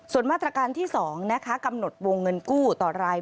ส่วนมาตรการที่๒นะคะกำหนดวงเงินกู้ต่อราย